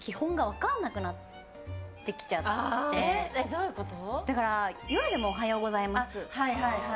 どういうこと？